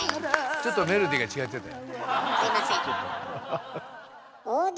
ちょっとメロディーが違ってたよ。